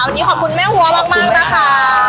วันนี้ขอบคุณแม่หัวมากนะคะ